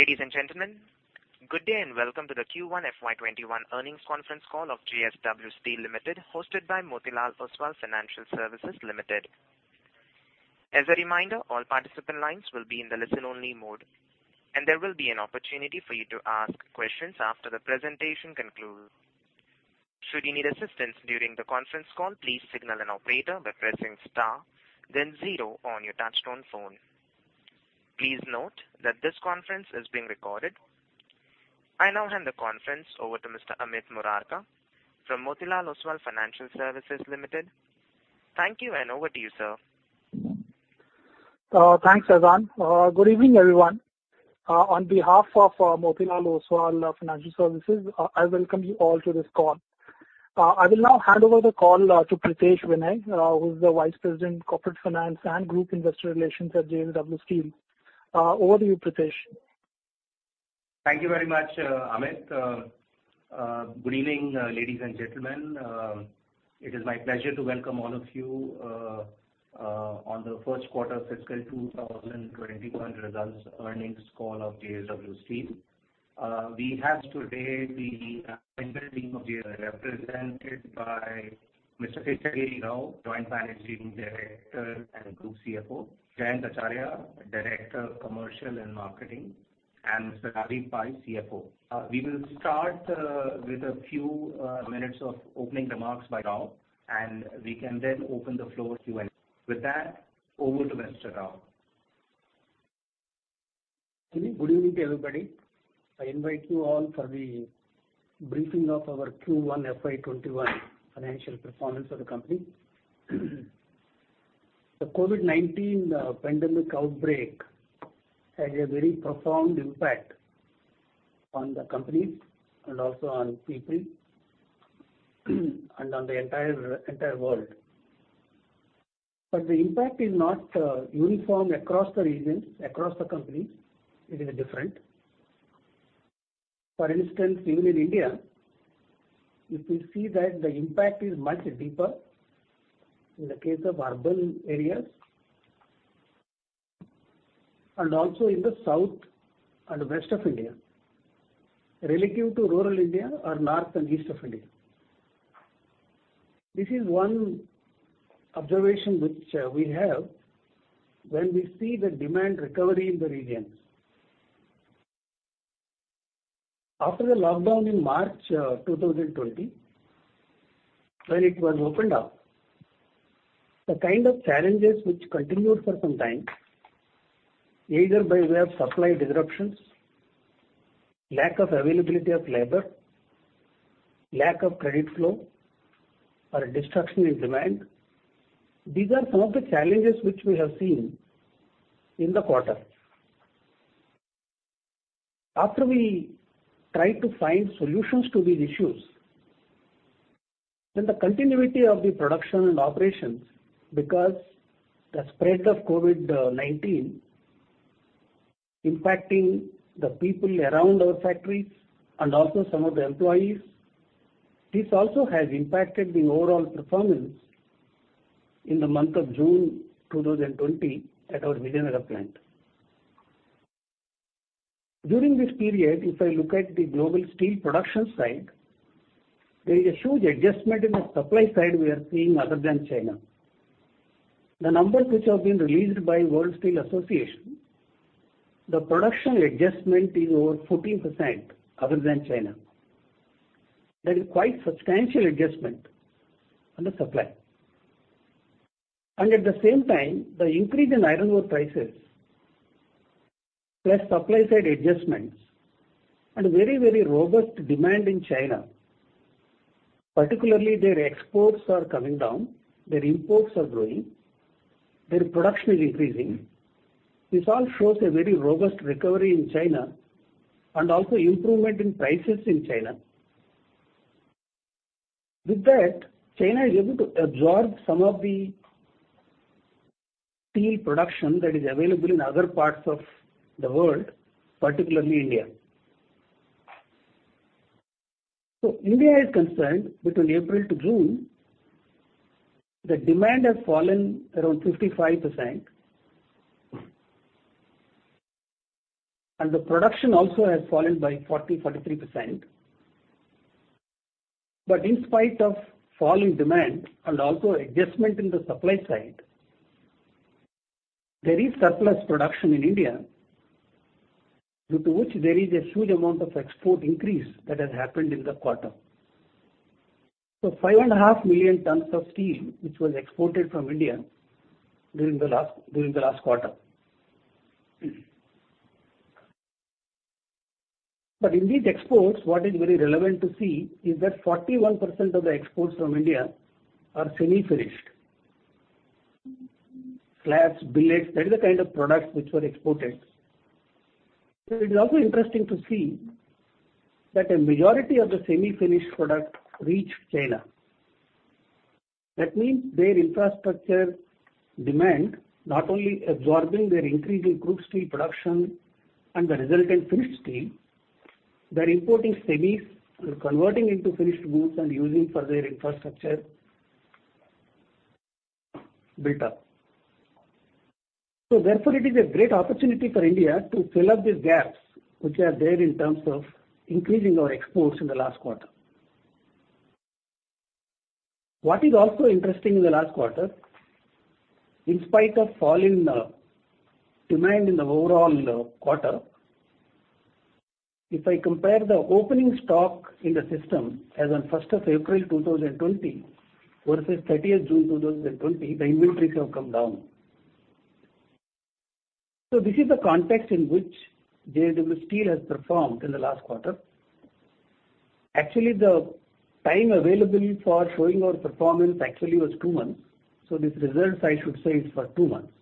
Ladies and gentlemen, good day and welcome to the Q1 FY21 earnings conference call of JSW Steel Limited, hosted by Motilal Oswal Financial Services Ltd. As a reminder, all participant lines will be in the listen-only mode, and there will be an opportunity for you to ask questions after the presentation concludes. Should you need assistance during the conference call, please signal an operator by pressing star, then zero on your touchtone phone. Please note that this conference is being recorded. I now hand the conference over to Mr. Amit Murarka from Motilal Oswal Financial Services Ltd. Thank you, and over to you, sir. Thanks, Jaswant. Good evening, everyone. On behalf of Motilal Oswal Financial Services, I welcome you all to this call. I will now hand over the call to Pritesh Vinay, who's the Vice President, Corporate Finance and Group Investor Relations at JSW Steel. Over to you, Pritesh. Thank you very much, Amit. Good evening, ladies and gentlemen. It is my pleasure to welcome all of you on the Q1 of fiscal 2021 results earnings call of JSW Steel. We have today the team of JSW represented by Mr. Seshagiri Rao, Joint Managing Director and Group CFO; Jayant Acharya, Director of Commercial and Marketing; and Mr. Rajeev Pai, CFO. We will start with a few minutes of opening remarks by Rao, and we can then open the floor to. With that, over to Mr. Rao. Good evening to everybody. I invite you all for the briefing of our Q1 FY21 financial performance of the company. The COVID-19 pandemic outbreak had a very profound impact on the companies and also on people and on the entire world. The impact is not uniform across the regions, across the companies. It is different. For instance, even in India, you can see that the impact is much deeper in the case of urban areas and also in the south and west of India, relative to rural India or north and east of India. This is one observation which we have when we see the demand recovery in the region. After the lockdown in March 2020, when it was opened up, the kind of challenges which continued for some time, either by way of supply disruptions, lack of availability of labor, lack of credit flow, or destruction in demand, these are some of the challenges which we have seen in the quarter. After we tried to find solutions to these issues, then the continuity of the production and operations, because the spread of COVID-19 impacting the people around our factories and also some of the employees, this also has impacted the overall performance in the month of June 2020 at our Vijayanagar Plant. During this period, if I look at the global steel production side, there is a huge adjustment in the supply side we are seeing other than China. The numbers which have been released by World Steel Association, the production adjustment is over 14% other than China. That is quite a substantial adjustment on the supply. At the same time, the increase in iron ore prices, plus supply side adjustments, and very, very robust demand in China, particularly their exports are coming down, their imports are growing, their production is increasing, this all shows a very robust recovery in China and also improvement in prices in China. With that, China is able to absorb some of the steel production that is available in other parts of the world, particularly India. As far as India is concerned, between April to June, the demand has fallen around 55%, and the production also has fallen by 40% to 43%. In spite of fall in demand and also adjustment in the supply side, there is surplus production in India, due to which there is a huge amount of export increase that has happened in the quarter. 5.5 million tons of steel were exported from India during the last quarter. In these exports, what is very relevant to see is that 41% of the exports from India are semi-finished, slabs, billets. That is the kind of products which were exported. It is also interesting to see that a majority of the semi-finished products reach China. That means their infrastructure demand, not only absorbing their increase in group steel production and the resultant finished steel, they are importing semis and converting into finished goods and using for their infrastructure build-up. Therefore, it is a great opportunity for India to fill up these gaps which are there in terms of increasing our exports in the last quarter. What is also interesting in the last quarter, in spite of fall in demand in the overall quarter, if I compare the opening stock in the system as on 1st of April 2020 versus 30th June 2020, the inventories have come down. This is the context in which JSW Steel has performed in the last quarter. Actually, the time available for showing our performance actually was two months. These results I should say are for two months,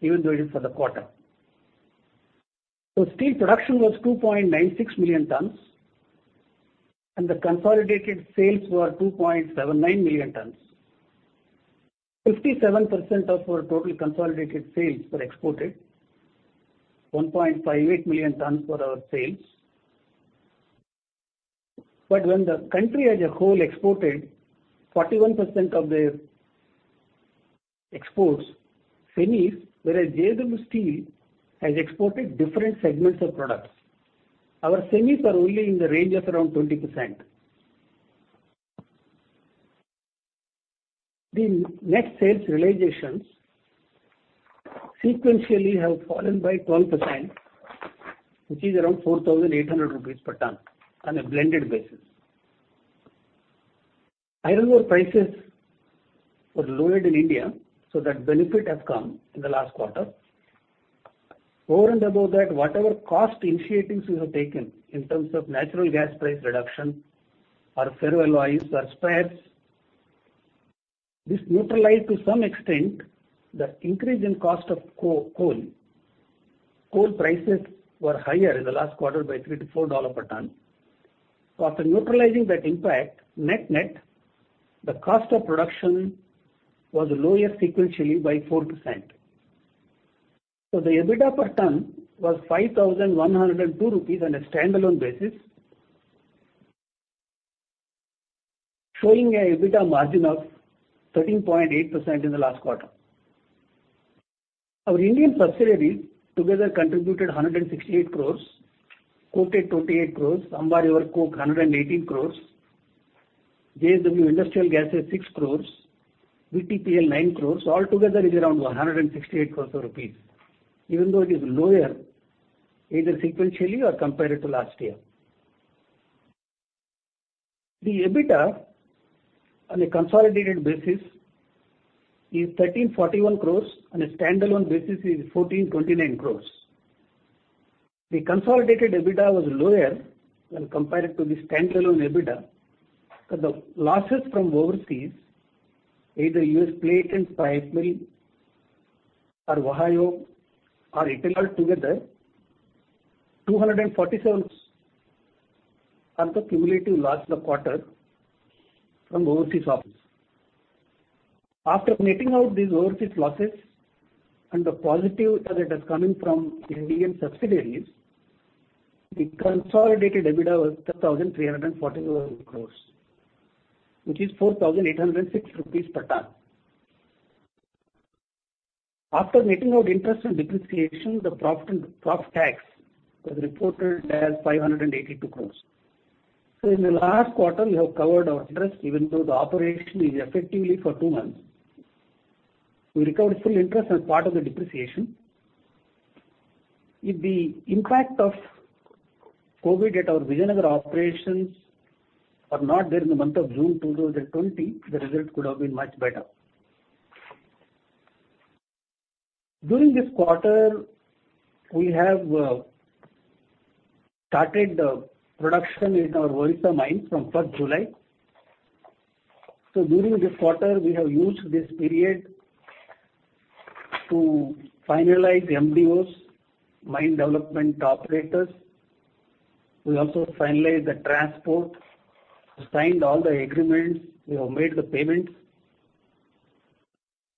even though it is for the quarter. Steel production was 2.96 million tons, and the consolidated sales were 2.79 million tons. 57% of our total consolidated sales were exported, 1.58 million tons were our sales. When the country as a whole exported, 41% of their exports finished, whereas JSW Steel has exported different segments of products. Our semis are only in the range of around 20%. The net sales realizations sequentially have fallen by 12%, which is around 4,800 rupees per ton on a blended basis. Iron ore prices were lowered in India, so that benefit has come in the last quarter. Over and above that, whatever cost initiatives we have taken in terms of natural gas price reduction or ferro alloys or spares, this neutralized to some extent the increase in cost of coal. Coal prices were higher in the last quarter by $3 to 4 per ton. After neutralizing that impact, net net, the cost of production was lower sequentially by 4%. The EBITDA per ton was 5,102 rupees on a standalone basis, showing an EBITDA margin of 13.8% in the last quarter. Our Indian subsidiaries together contributed 168 crore, Coated 28 crore, Amba River COKE 118 crore, JSW Industrial Gases 6 crore, VTPL 9 crore. Altogether, it is around 168 crore rupees, even though it is lower, either sequentially or compared to last year. The EBITDA on a consolidated basis is 1,341 crore, and a standalone basis is 1,429 crore. The consolidated EBITDA was lower when compared to the standalone EBITDA because of losses from overseas, either US Plate and Pipe Mill or Ohio or Italy altogether, INR 247 crore are the cumulative loss in the quarter from overseas office. After netting out these overseas losses and the positive that is coming from Indian subsidiaries, the consolidated EBITDA was 1,341 crore, which is 4,806 rupees per ton. After netting out interest and depreciation, the profit and profit tax was reported as 582 crore. In the last quarter, we have covered our interest, even though the operation is effectively for two months. We recovered full interest and part of the depreciation. If the impact of COVID at our Vijayanagar operations were not there in the month of June 2020, the result could have been much better. During this quarter, we have started production in our Odisha mines from 1st July. During this quarter, we have used this period to finalize MDOs, mine development operators. We also finalized the transport, signed all the agreements. We have made the payments.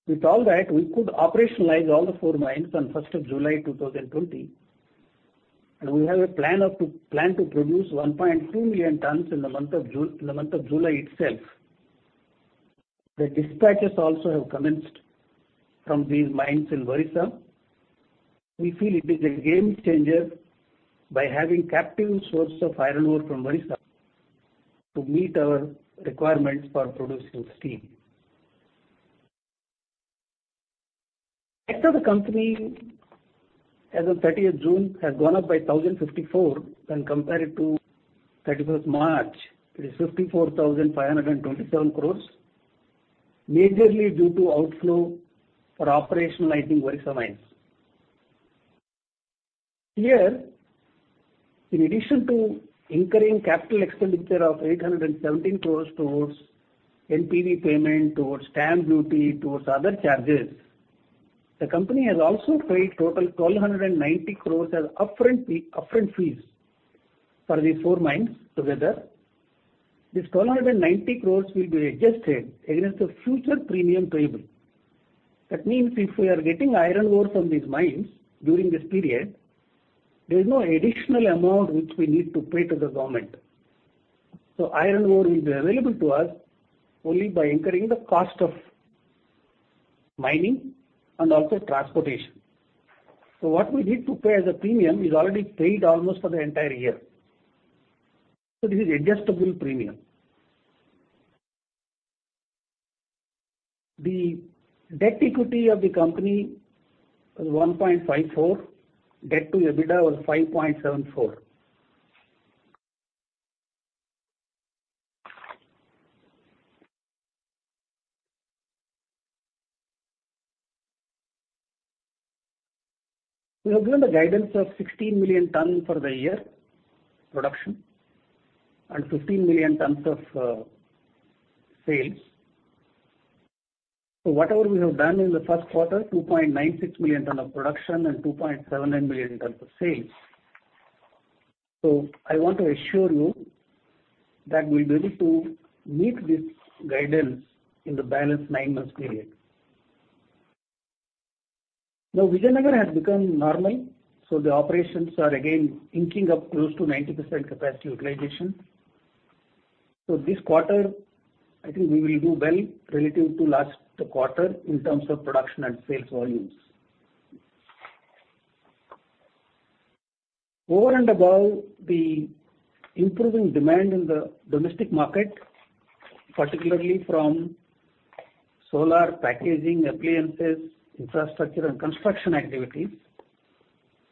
With all that, we could operationalize all the four mines on 1st of July 2020, and we have a plan to produce 1.2 million tons in the month of July itself. The dispatches also have commenced from these mines in Odisha. We feel it is a game changer by having captive source of iron ore from Odisha to meet our requirements for producing steel. Actually, the company as of 30th June has gone up by 1,054 when compared to 31st March. It is 54,527 crore, majorly due to outflow for operationalizing Odisha mines. Here, in addition to incurring capital expenditure of 817 crore towards NPV payment, towards stamp duty, towards other charges, the company has also paid total 1,290 crore as upfront fees for these four mines together. This 1,290 crore will be adjusted against the future premium payable. That means if we are getting iron ore from these mines during this period, there is no additional amount which we need to pay to the government. Iron ore will be available to us only by incurring the cost of mining and also transportation. What we need to pay as a premium is already paid almost for the entire year. This is adjustable premium. The debt equity of the company was 1.54. Debt to EBITDA was 5.74. We have given the guidance of 16 million tons for the year production and 15 million tons of sales. Whatever we have done in the Q1, 2.96 million tons of production and 2.79 million tons of sales. I want to assure you that we'll be able to meet this guidance in the balanced nine-month period. Now, Vijayanagar has become normal, so the operations are again inking up close to 90% capacity utilization. This quarter, I think we will do well relative to last quarter in terms of production and sales volumes. Over and above the improving demand in the domestic market, particularly from solar packaging, appliances, infrastructure, and construction activities,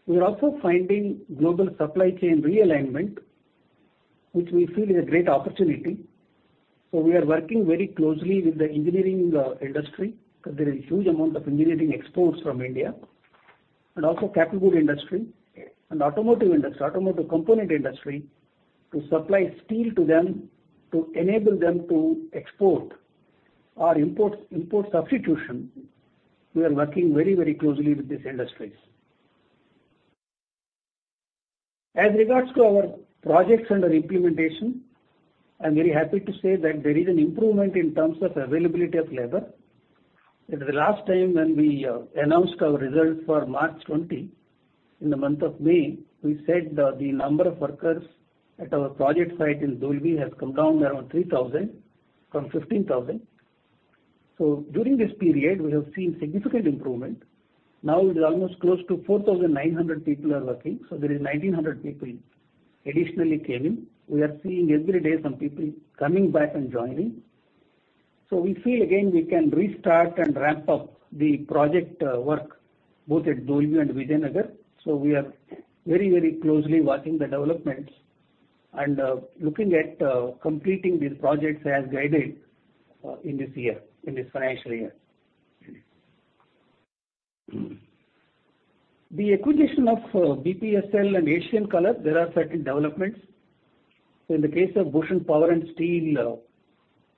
we are also finding global supply chain realignment, which we feel is a great opportunity. We are working very closely with the engineering industry because there is a huge amount of engineering exports from India and also capital goods industry and automotive industry, automotive component industry to supply steel to them to enable them to export or import substitution. We are working very, very closely with these industries. As regards to our projects under implementation, I'm very happy to say that there is an improvement in terms of availability of labor. At the last time when we announced our results for March 2020, in the month of May, we said the number of workers at our project site in Dolvi has come down around 3,000 from 15,000. During this period, we have seen significant improvement. Now, it is almost close to 4,900 people are working. There are 1,900 people additionally came in. We are seeing every day some people coming back and joining. We feel again we can restart and ramp up the project work both at Dolvi and Vijayanagar. We are very, very closely watching the developments and looking at completing these projects as guided in this year, in this financial year. The acquisition of BPSL and Asian Colour, there are certain developments. In the case of Bhushan Power and Steel,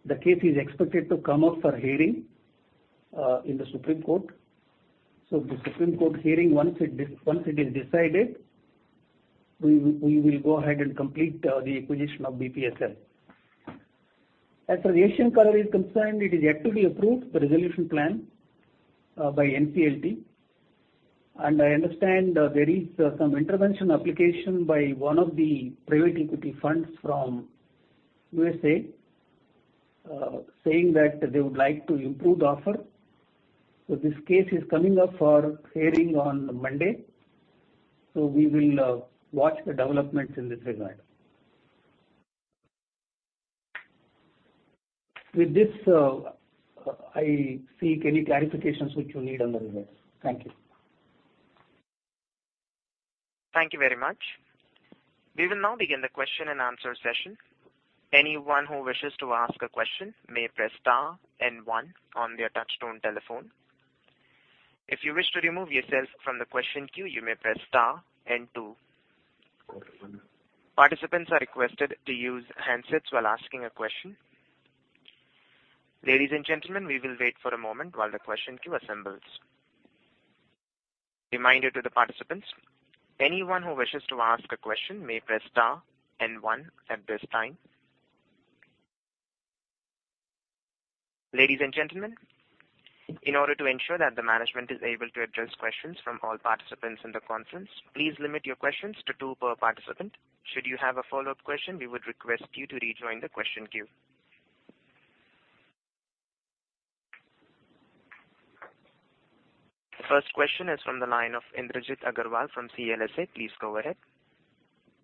the case is expected to come up for hearing in the Supreme Court. The Supreme Court hearing, once it is decided, we will go ahead and complete the acquisition of BPSL. As far as Asian Colour is concerned, it is yet to be approved, the resolution plan by the National Company Law Tribunal. I understand there is some intervention application by one of the private equity funds from the United States saying that they would like to improve the offer. This case is coming up for hearing on Monday. We will watch the developments in this regard. With this, I seek any clarifications which you need on the results. Thank you. Thank you very much. We will now begin the question and answer session. Anyone who wishes to ask a question may press star and one on the touchstone telephone. If you wish to remove yourself from the question queue, you may press star and two. Participants are requested to use handsets while asking a question. Ladies and gentlemen, we will wait for a moment while the question queue assembles. Reminder to the participants, anyone who wishes to ask a question may press star and one at this time. Ladies and gentlemen, in order to ensure that the management is able to address questions from all participants in the conference, please limit your questions to two per participant. Should you have a follow-up question, we would request you to rejoin the question queue. The first question is from the line of Indrajit Agarwal from CLSA. Please go ahead.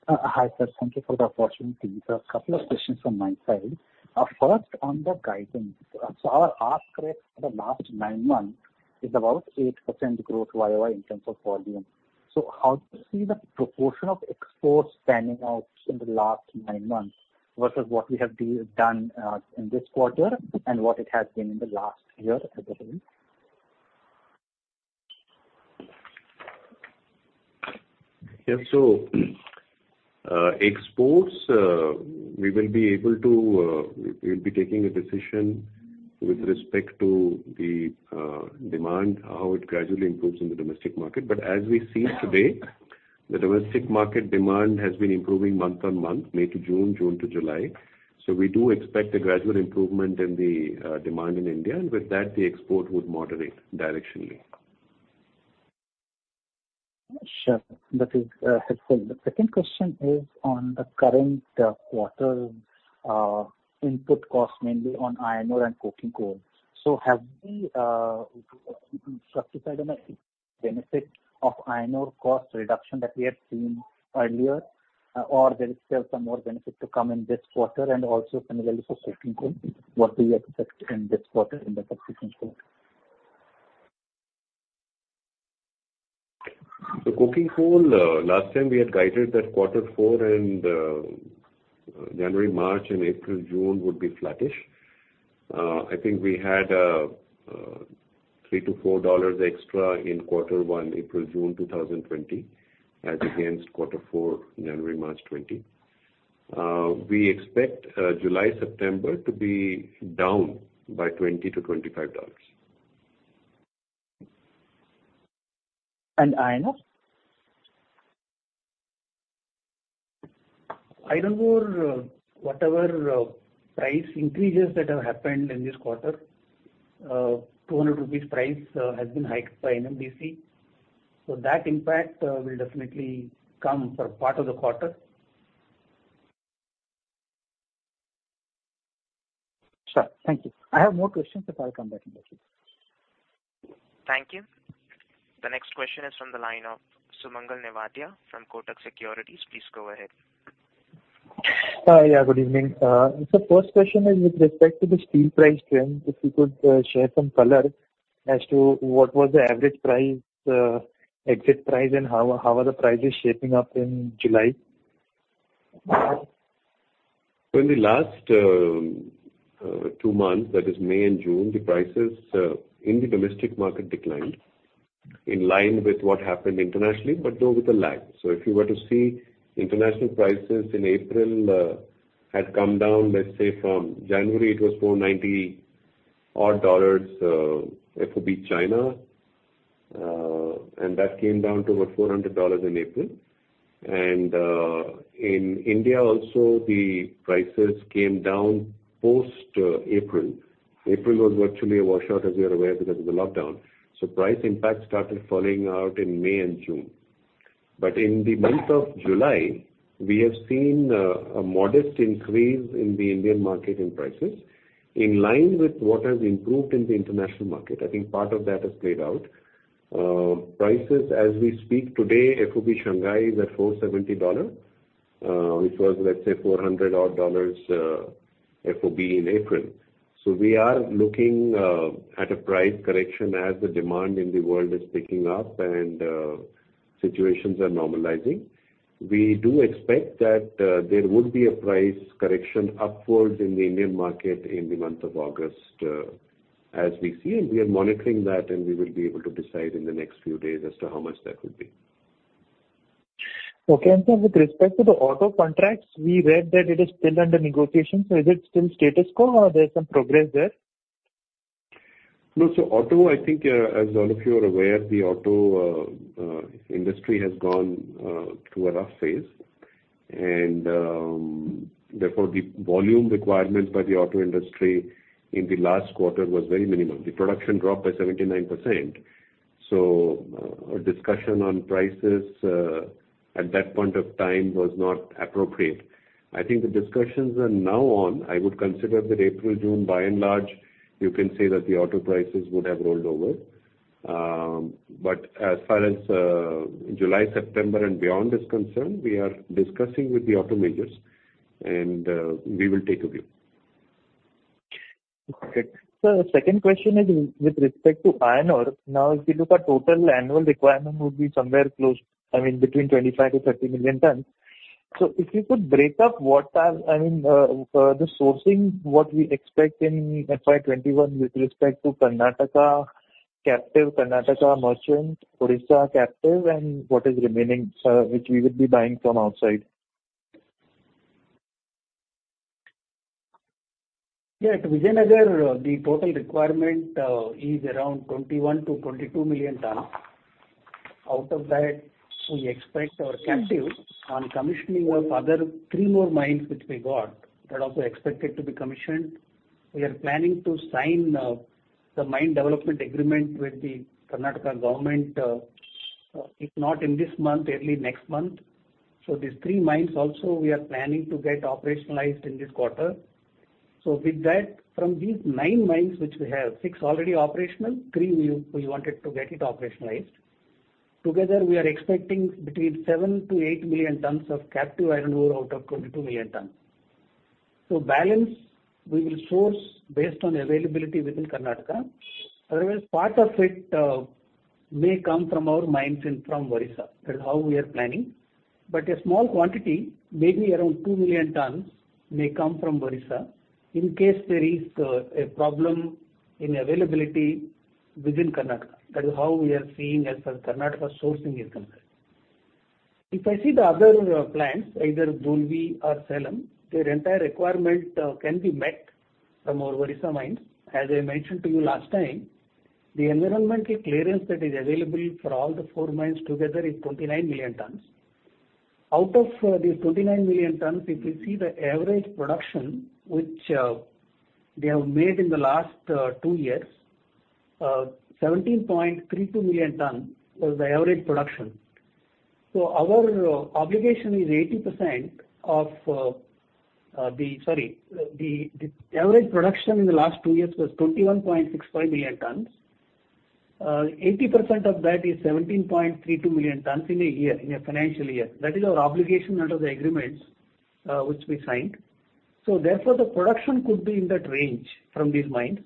Hi, sir. Thank you for the opportunity to ask a couple of questions from my side. First, on the guidance, our ask rate for the last nine months is about 8% growth year-over-year in terms of volume. How do you see the proportion of exports spanning out in the last nine months versus what we have done in this quarter and what it has been in the last year as a whole? Yes. Exports, we will be able to, we will be taking a decision with respect to the demand, how it gradually improves in the domestic market. As we see today, the domestic market demand has been improving month on month, May to June, June to July. We do expect a gradual improvement in the demand in India, and with that, the export would moderate directionally. Sure. That is helpful. The second question is on the current quarter input cost, mainly on iron ore and coking coal. Have we stuck to side on the benefit of iron ore cost reduction that we had seen earlier, or is there still some more benefit to come in this quarter? Also, similarly for coking coal, what do you expect in this quarter in the Coking coal? Coking coal, last time we had guided that quarter four and January, March, and April, June would be flattish. I think we had three to four dollars extra in quarter one, April, June 2020, as against quarter four, January, March 2020. We expect July, September to be down by $20 to 25 dollars. And iron ore? Iron ore, whatever price increases that have happened in this quarter, 200 rupees price has been hiked by NMDC. So that impact will definitely come for part of the quarter. Sure. Thank you. I have more questions if I'll come back in the future. Thank you. The next question is from the line of Sumangal Nevatia from Kotak Securities. Please go ahead. Yeah. Good evening. First question is with respect to the steel price trend, if you could share some color as to what was the average price, exit price, and how are the prices shaping up in July. In the last two months, that is May and June, the prices in the domestic market declined in line with what happened internationally, though with a lag. If you were to see international prices in April, they had come down. Let's say from January, it was $490 FOB China, and that came down to about $400 in April. In India also, the prices came down post-April. April was virtually a washout, as you're aware, because of the lockdown. Price impacts started falling out in May and June. In the month of July, we have seen a modest increase in the Indian market in prices in line with what has improved in the international market. I think part of that has played out. Prices as we speak today, FOB Shanghai is at $470, which was, let's say, $400 FOB in April. We are looking at a price correction as the demand in the world is picking up and situations are normalizing. We do expect that there would be a price correction upwards in the Indian market in the month of August as we see. We are monitoring that, and we will be able to decide in the next few days as to how much that would be. Okay. With respect to the auto contracts, we read that it is still under negotiation. Is it still status quo, or is there some progress there? No. Auto, I think, as all of you are aware, the auto industry has gone through a rough phase. Therefore, the volume requirement by the auto industry in the last quarter was very minimal. The production dropped by 79%. A discussion on prices at that point of time was not appropriate. I think the discussions are now on. I would consider that April-June, by and large, you can say that the auto prices would have rolled over. As far as July-September and beyond is concerned, we are discussing with the auto majors, and we will take a view. Okay. The second question is with respect to iron ore. Now, if you look at total annual requirement, it would be somewhere close, I mean, between 25 to 30 million tons. If you could break up what I mean, the sourcing, what we expect in FY 2021 with respect to Karnataka captive, Karnataka merchant, Odisha captive, and what is remaining, which we would be buying from outside. Yeah. At Vijayanagar, the total requirement is around 21 to 22 million tons. Out of that, we expect our captive on commissioning of other three more mines which we got that also expected to be commissioned. We are planning to sign the mine development agreement with the Karnataka government, if not in this month, early next month. These three mines also, we are planning to get operationalized in this quarter. With that, from these nine mines which we have, six already operational, three we wanted to get it operationalized. Together, we are expecting between 7 to 8 million tons of captive iron ore out of 22 million tons. Balance, we will source based on availability within Karnataka. Otherwise, part of it may come from our mines and from Odisha. That is how we are planning. A small quantity, maybe around 2 million tons, may come from Odisha in case there is a problem in availability within Karnataka. That is how we are seeing as far as Karnataka sourcing is concerned. If I see the other plants, either Dolvi or Salem, their entire requirement can be met from our Odisha mines. As I mentioned to you last time, the environmental clearance that is available for all the four mines together is 29 million tons. Out of these 29 million tons, if you see the average production which they have made in the last two years, 17.32 million tons was the average production. Our obligation is 80% of the, sorry, the average production in the last two years was 21.65 million tons. 80% of that is 17.32 million tons in a year, in a financial year. That is our obligation under the agreements which we signed. Therefore, the production could be in that range from these mines.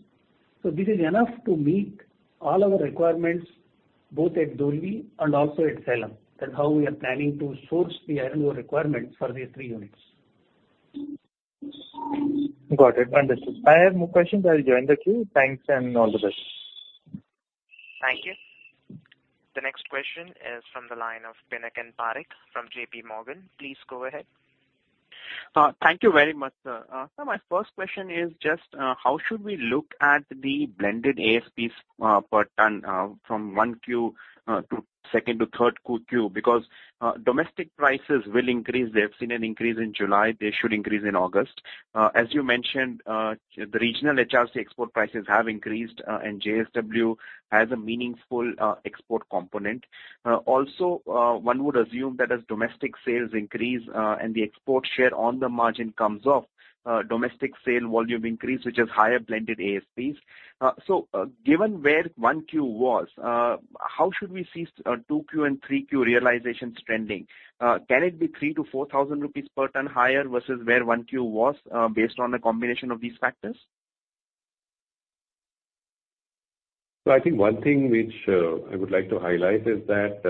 This is enough to meet all our requirements both at Dolvi and also at Salem. That's how we are planning to source the iron ore requirements for these three units. Got it. Understood. I have more questions. I'll join the queue. Thanks and all the best. Thank you. The next question is from the line of Pinakin Parikh from JP Morgan. Please go ahead. Thank you very much, sir. My first question is just how should we look at the blended ASPs per ton from Q1 to Q2 to Q3? Because domestic prices will increase. They've seen an increase in July. They should increase in August. As you mentioned, the regional HRC export prices have increased, and JSW has a meaningful export component. Also, one would assume that as domestic sales increase and the export share on the margin comes off, domestic sale volume increase, which has higher blended ASPs. Given where Q1 was, how should we see Q2 and Q3 realizations trending? Can it be 3,000 to 4,000 rupees per ton higher versus where Q1 was based on a combination of these factors? I think one thing which I would like to highlight is that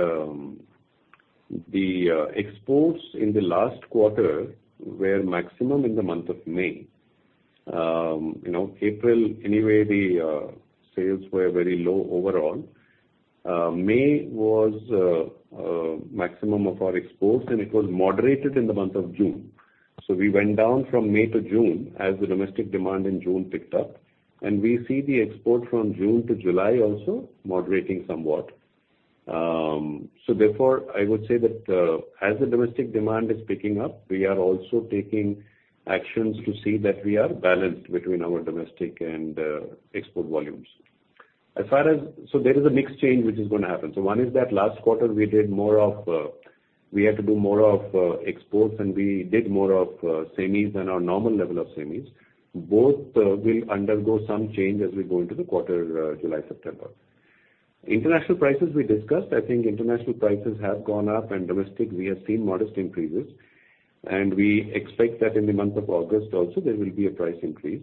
the exports in the last quarter were maximum in the month of May. April, anyway, the sales were very low overall. May was maximum of our exports, and it was moderated in the month of June. We went down from May to June as the domestic demand in June picked up. We see the export from June to July also moderating somewhat. Therefore, I would say that as the domestic demand is picking up, we are also taking actions to see that we are balanced between our domestic and export volumes. There is a mixed change which is going to happen. One is that last quarter we did more of, we had to do more of exports, and we did more of semis than our normal level of semis. Both will undergo some change as we go into the quarter July-September. International prices we discussed, I think international prices have gone up, and domestic we have seen modest increases. We expect that in the month of August also, there will be a price increase.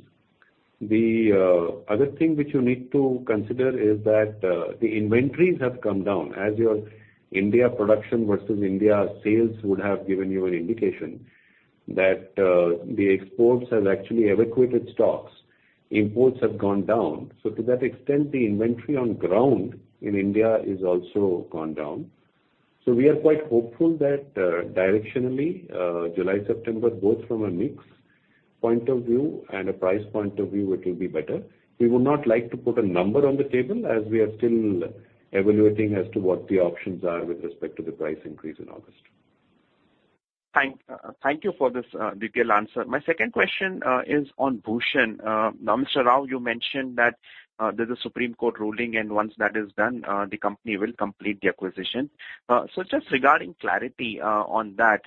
The other thing which you need to consider is that the inventories have come down. As your India production versus India sales would have given you an indication that the exports have actually evacuated stocks. Imports have gone down. To that extent, the inventory on ground in India has also gone down. We are quite hopeful that directionally, July-September, both from a mix point of view and a price point of view, it will be better. We would not like to put a number on the table as we are still evaluating as to what the options are with respect to the price increase in August. Thank you for this detailed answer. My second question is on Bhushan. Now, Mr. Rao, you mentioned that there's a Supreme Court ruling, and once that is done, the company will complete the acquisition. Just regarding clarity on that,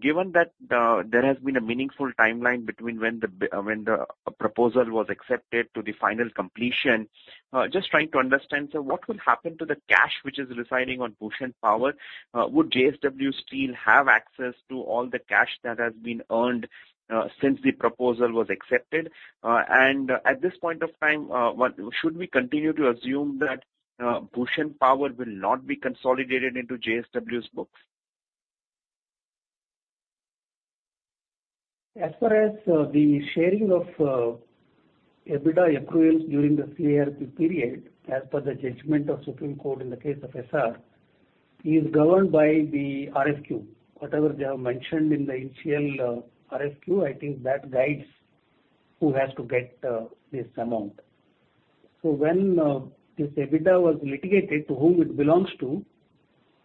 given that there has been a meaningful timeline between when the proposal was accepted to the final completion, just trying to understand, what will happen to the cash which is residing on Bhushan Power? Would JSW Steel have access to all the cash that has been earned since the proposal was accepted? At this point of time, should we continue to assume that Bhushan Power will not be consolidated into JSW's books? As far as the sharing of EBITDA accruals during the CIRP period, as per the judgment of Supreme Court in the case of Essar, it is governed by the RFRP. Whatever they have mentioned in the initial RFRP, I think that guides who has to get this amount. When this EBITDA was litigated to whom it belongs to,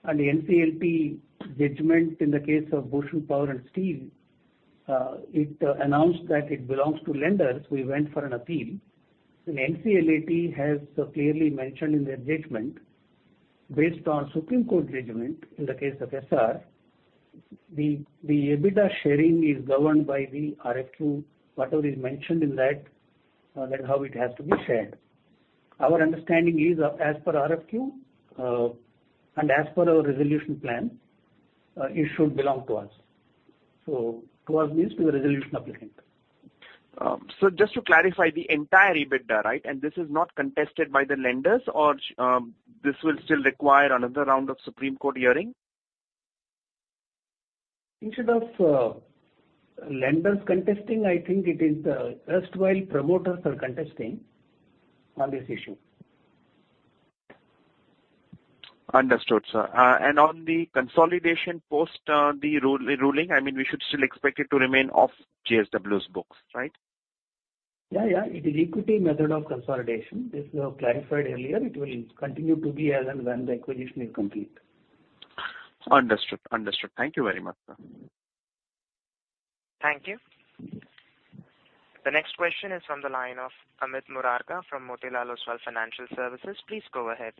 and the National Company Law Tribunal judgment in the case of Bhushan Power and Steel, it announced that it belongs to lenders. We went for an appeal. The National Company Law Tribunal has clearly mentioned in their judgment, based on Supreme Court judgment in the case of Essar, the EBITDA sharing is governed by the RFRP. Whatever is mentioned in that, that's how it has to be shared. Our understanding is, as per RFRP and as per our resolution plan, it should belong to us. To us means to the resolution applicant. Just to clarify, the entire EBITDA, right? This is not contested by the lenders, or this will still require another round of Supreme Court hearing? Instead of lenders contesting, I think it is the erstwhile promoters are contesting on this issue. Understood, sir. On the consolidation post the ruling, I mean, we should still expect it to remain off JSW's books, right? Yeah. Yeah. It is equity method of consolidation. This was clarified earlier. It will continue to be as and when the acquisition is complete. Understood. Understood. Thank you very much, sir. Thank you. The next question is from the line of Amit Murarka from Motilal Oswal Financial Services. Please go ahead.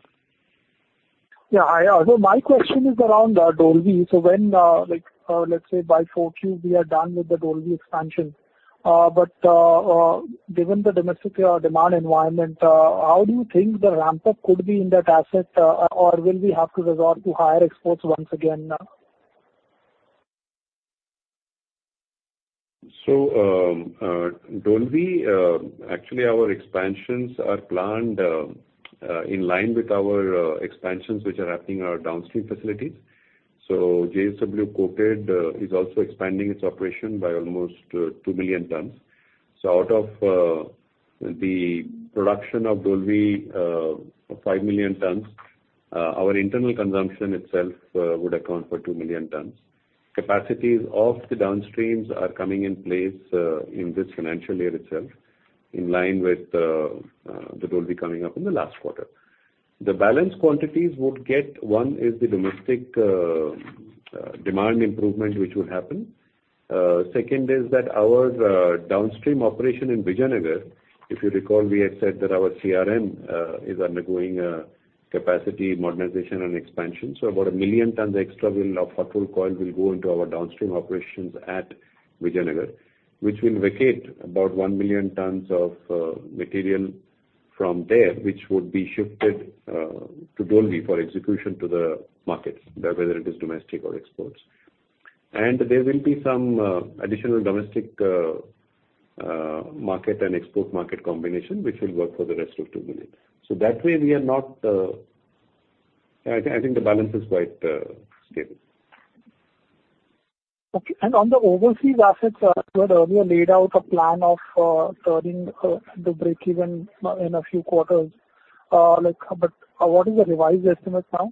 Yeah. My question is around Dolvi. When, let's say, by Q4, we are done with the Dolvi expansion. Given the domestic demand environment, how do you think the ramp-up could be in that asset, or will we have to resort to higher exports once again? Dolvi, actually, our expansions are planned in line with our expansions which are happening in our downstream facilities. JSW Coated is also expanding its operation by almost 2 million tons. Out of the production of Dolvi, 5 million tons, our internal consumption itself would account for 2 million tons. Capacities of the downstreams are coming in place in this financial year itself in line with the Dolvi coming up in the last quarter. The balance quantities would get, one is the domestic demand improvement which would happen. Second is that our downstream operation in Vijayanagar, if you recall, we had said that our CRM is undergoing capacity modernization and expansion. About a million tons extra of hot rolled coil will go into our downstream operations at Vijayanagar, which will vacate about 1 million tons of material from there, which would be shifted to Dolvi for execution to the markets, whether it is domestic or exports. There will be some additional domestic market and export market combination which will work for the rest of 2 million. That way, we are not, I think the balance is quite stable. Okay. On the overseas assets, you had earlier laid out a plan of turning to break even in a few quarters. What is the revised estimate now?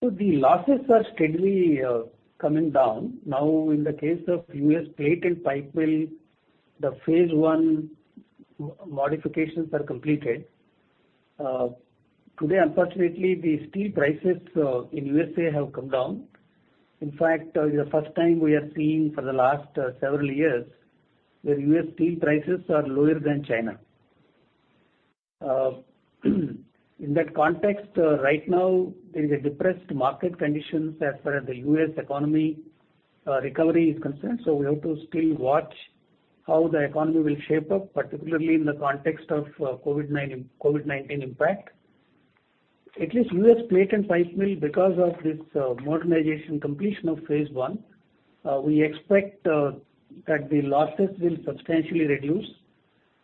The losses are steadily coming down. In the case of US plate and pipe mill, the phase one modifications are completed. Today, unfortunately, the steel prices in the US have come down. In fact, it is the first time we are seeing for the last several years where US steel prices are lower than China. In that context, right now, there is a depressed market condition as far as the US economy recovery is concerned. We have to still watch how the economy will shape up, particularly in the context of COVID-19 impact. At least US plate and pipe mill, because of this modernization completion of phase one, we expect that the losses will substantially reduce.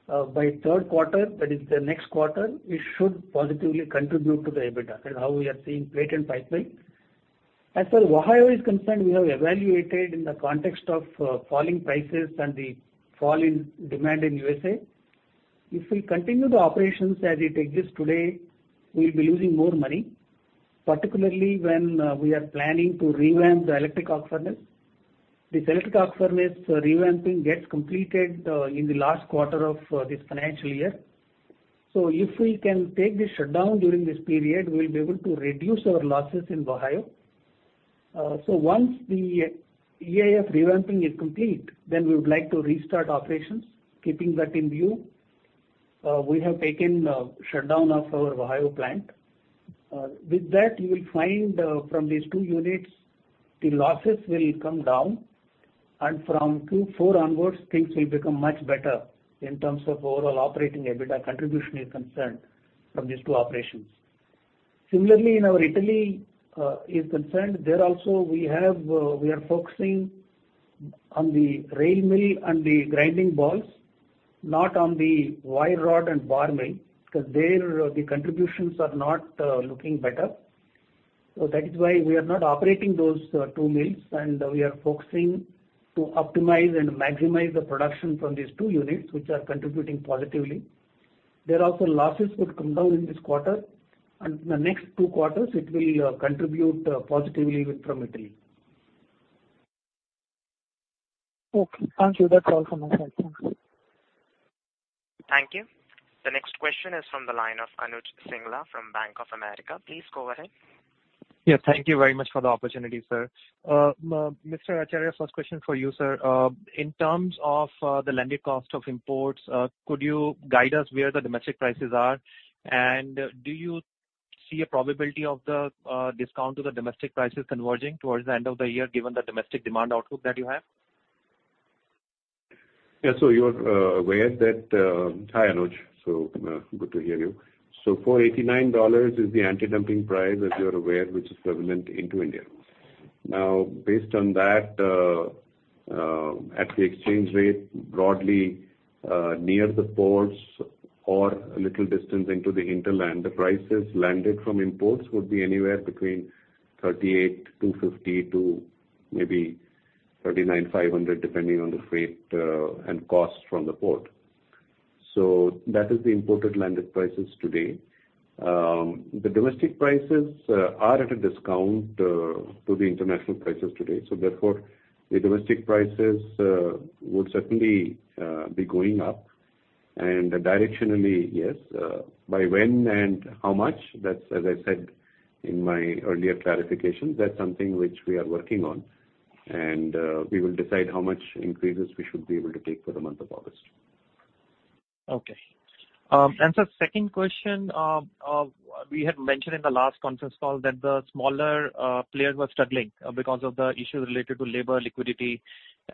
By third quarter, that is the next quarter, it should positively contribute to the EBITDA. That is how we are seeing plate and pipe mill. As for Ohio is concerned, we have evaluated in the context of falling prices and the fall in demand in the US. If we continue the operations as it exists today, we will be losing more money, particularly when we are planning to revamp the electric arc furnace. This electric arc furnace revamping gets completed in the last quarter of this financial year. If we can take this shutdown during this period, we will be able to reduce our losses in Ohio. Once the EAF revamping is complete, we would like to restart operations, keeping that in view. We have taken shutdown of our Ohio plant. With that, you will find from these two units, the losses will come down. From Q4 onwards, things will become much better in terms of overall operating EBITDA contribution as far as these two operations are concerned. Similarly, in our Italy operations, we are focusing on the rail mill and the grinding balls, not on the wire rod and bar mill, because there the contributions are not looking better. That is why we are not operating those two mills, and we are focusing to optimize and maximize the production from these two units, which are contributing positively. There, also, losses will come down in this quarter. In the next two quarters, it will contribute positively from Italy. Thank you. That's all from my side. Thank you. The next question is from the line of Anuj Singla from Bank of America. Please go ahead. Yeah. Thank you very much for the opportunity, sir. Mr. Acharya, first question for you, sir. In terms of the landing cost of imports, could you guide us where the domestic prices are? And do you see a probability of the discount to the domestic prices converging towards the end of the year, given the domestic demand outlook that you have? Yeah. You are aware that, hi, Anuj. Good to hear you. $489 is the anti-dumping price, as you are aware, which is prevalent into India. Now, based on that, at the exchange rate, broadly near the ports or a little distance into the hinterland, the prices landing from imports would be anywhere between 38,250 to 39,500, depending on the freight and cost from the port. That is the imported landing prices today. The domestic prices are at a discount to the international prices today. Therefore, the domestic prices would certainly be going up. Directionally, yes. By when and how much, as I said in my earlier clarification, that is something which we are working on. We will decide how much increases we should be able to take for the month of August. Okay. Second question, we had mentioned in the last conference call that the smaller players were struggling because of the issues related to labor, liquidity,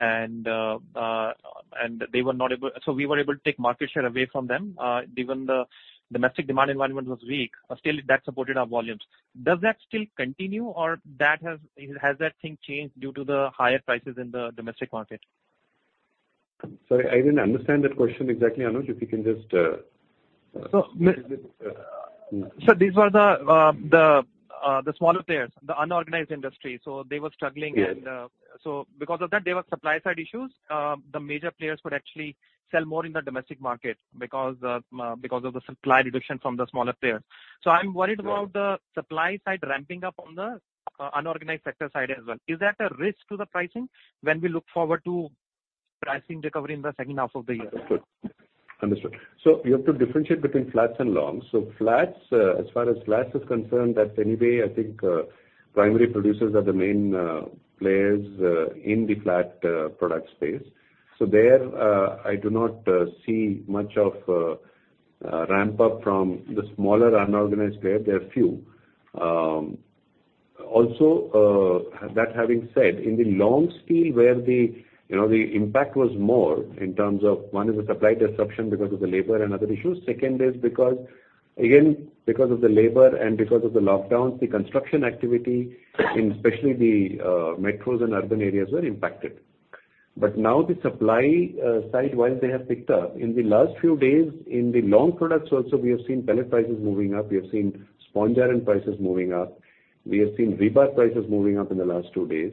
and they were not able so we were able to take market share away from them. Even the domestic demand environment was weak. Still, that supported our volumes. Does that still continue, or has that thing changed due to the higher prices in the domestic market? Sorry, I did not understand that question exactly, Anuj. If you can just— These were the smaller players, the unorganized industry. They were struggling. Because of that, there were supply-side issues. The major players could actually sell more in the domestic market because of the supply reduction from the smaller players. I am worried about the supply-side ramping up on the unorganized sector side as well. Is that a risk to the pricing when we look forward to pricing recovery in the second half of the year? Understood. Understood. You have to differentiate between flats and longs. As far as flats are concerned, that anyway, I think primary producers are the main players in the flat product space. There, I do not see much of a ramp-up from the smaller unorganized players. There are few. Also, having said that, in the long steel, where the impact was more in terms of one is the supply disruption because of the labor and other issues. Second is, again, because of the labor and because of the lockdowns, the construction activity, especially the metros and urban areas, were impacted. Now the supply side, while they have picked up, in the last few days, in the long products also, we have seen pallet prices moving up. We have seen sponge iron prices moving up. We have seen rebar prices moving up in the last two days.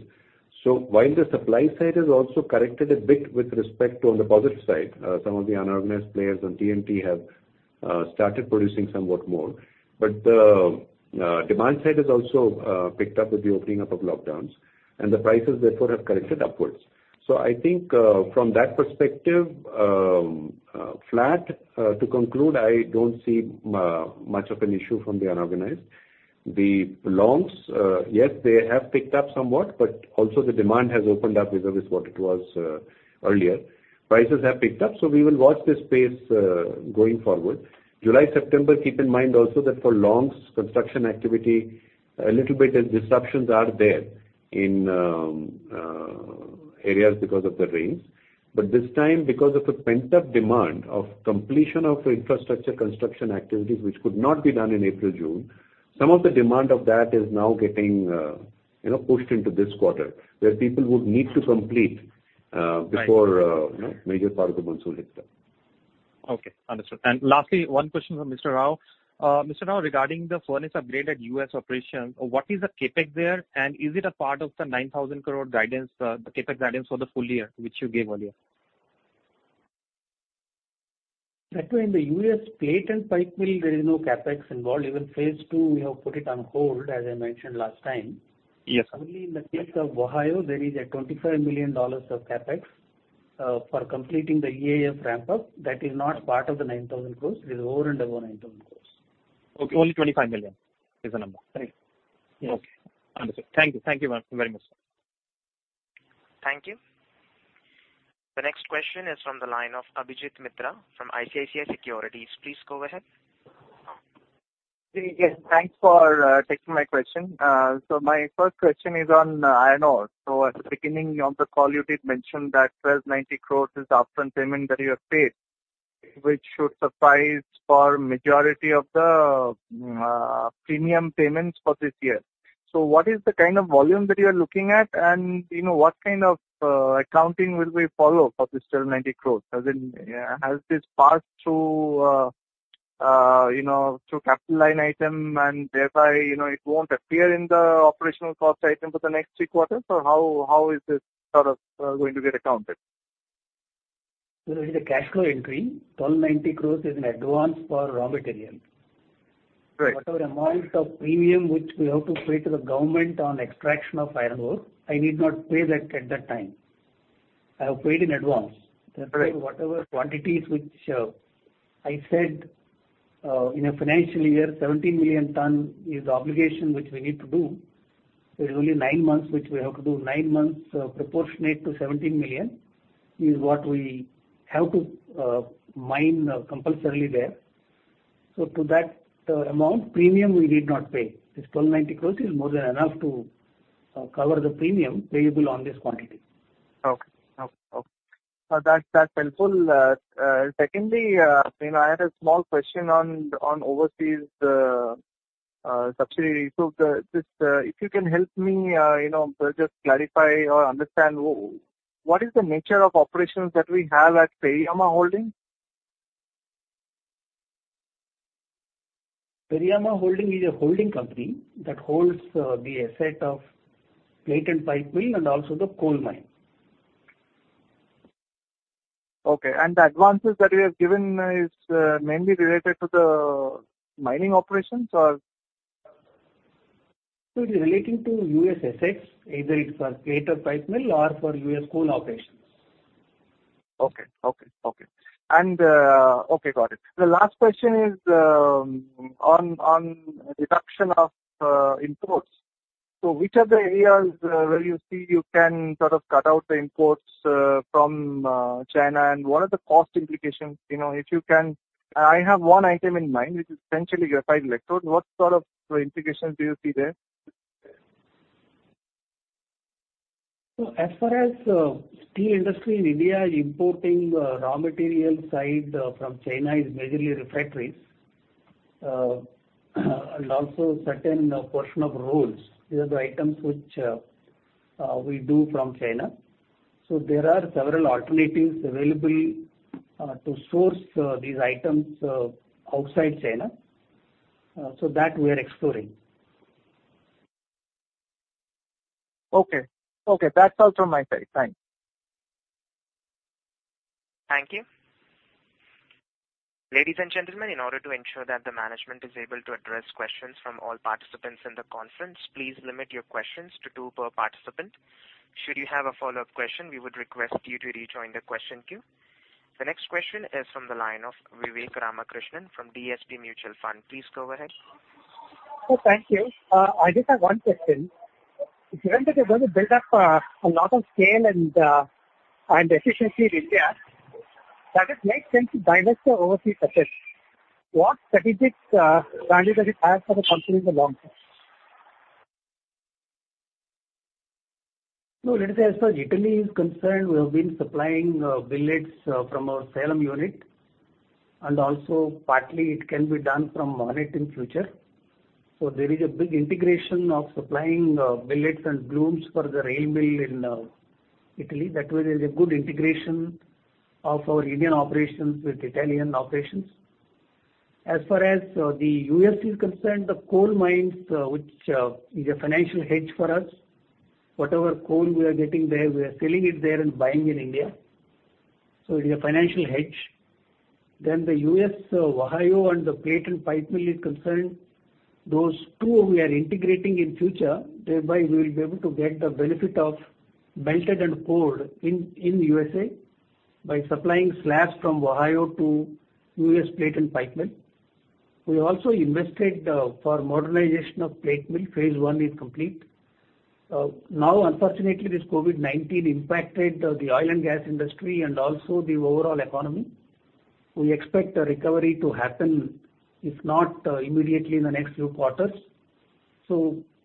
While the supply side has also corrected a bit with respect to on the positive side, some of the unorganized players on TMT have started producing somewhat more. The demand side has also picked up with the opening up of lockdowns. The prices, therefore, have corrected upwards. I think from that perspective, flat. To conclude, I do not see much of an issue from the unorganized. The longs, yes, they have picked up somewhat, but also the demand has opened up with what it was earlier. Prices have picked up. We will watch this space going forward. July, September, keep in mind also that for longs, construction activity, a little bit of disruptions are there in areas because of the rains. This time, because of the pent-up demand of completion of infrastructure construction activities, which could not be done in April, June, some of the demand of that is now getting pushed into this quarter, where people would need to complete before a major part of the monsoon hits them. Okay. Understood. Lastly, one question from Mr. Rao. Mr. Rao, regarding the furnace upgrade at US operations, what is the CapEx there? Is it a part of the 9,000 crore guidance, the CapEx guidance for the full year, which you gave earlier? Actually, in the US plate and pipe mill, there is no CapEx involved. Even phase two, we have put it on hold, as I mentioned last time. Only in the case of Ohio, there is a $25 million CapEx for completing the EAF ramp-up. That is not part of the 9,000 crore. It is over and above 9,000 crore. Okay. Only 25 million is the number. Right. Yes. Okay. Understood. Thank you. Thank you very much. Thank you. The next question is from the line of Abhijit Mitra from ICICI Securities. Please go ahead. Yes. Thanks for taking my question. My first question is on iron ore. At the beginning of the call, you did mention that 1,290 crore is upfront payment that you have paid, which should suffice for the majority of the premium payments for this year. What is the kind of volume that you are looking at? What kind of accounting will we follow for this 1,290 crore? Has this passed through capital line item, and thereby, it will not appear in the operational cost item for the next three quarters? How is this sort of going to be accounted? There is a cash flow increase. 1,290 crore is in advance for raw material. Whatever amount of premium which we have to pay to the government on extraction of iron ore, I need not pay that at that time. I have paid in advance. Whatever quantities which I said in a financial year, 17 million ton is the obligation which we need to do. There are only nine months which we have to do. Nine months proportionate to 17 million is what we have to mine compulsorily there. To that amount, premium we need not pay. This 1,290 crore is more than enough to cover the premium payable on this quantity. Okay. Okay. Okay. That's helpful. Secondly, I had a small question on overseas subsidy. If you can help me just clarify or understand, what is the nature of operations that we have at Periama Holding? Periama Holding is a holding company that holds the asset of plate and pipe mill and also the coal mine. Okay. The advances that you have given is mainly related to the mining operations or? It is relating to US assets, either it's for plate and pipe mill or for US coal operations. Okay. Okay. Okay. Got it. The last question is on deduction of imports. Which are the areas where you see you can sort of cut out the imports from China? What are the cost implications? If you can—I have one item in mind, which is essentially graphite electrode. What sort of implications do you see there? As far as steel industry in India, importing raw material side from China is majorly refractory. Also a certain portion of rolls are the items which we do from China. There are several alternatives available to source these items outside China. That we are exploring. Okay. Okay. That's all from my side. Thanks. Thank you. Ladies and gentlemen, in order to ensure that the management is able to address questions from all participants in the conference, please limit your questions to two per participant. Should you have a follow-up question, we would request you to rejoin the question queue. The next question is from the line of Vivek Ramakrishnan from DSP Mutual Fund. Please go ahead. Thank you. I just have one question. Given that there was a build-up of a lot of scale and efficiency in India, does it make sense to divest your overseas assets? What strategic value does it have for the company in the long term? Let me say as far as Italy is concerned, we have been supplying billets from our Salem unit. Also, partly, it can be done from Monnet in the future. There is a big integration of supplying billets and blooms for the rail mill in Italy. That way, there is a good integration of our Indian operations with Italian operations. As far as the US is concerned, the coal mines, which is a financial hedge for us. Whatever coal we are getting there, we are selling it there and buying in India. It is a financial hedge. As far as the US Ohio and the plate and pipe mill is concerned, those two we are integrating in the future. Thereby, we will be able to get the benefit of melted and poured in the USA. by supplying slabs from Ohio to US plate and pipe mill. We also invested for modernization of plate mill. Phase one is complete. Now, unfortunately, this COVID-19 impacted the oil and gas industry and also the overall economy. We expect a recovery to happen, if not immediately, in the next few quarters.